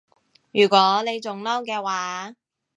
如果你仲嬲嘅話